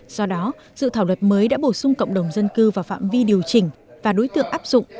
do đó dự thảo luật mới đã bổ sung cộng đồng dân cư vào phạm vi điều chỉnh và đối tượng áp dụng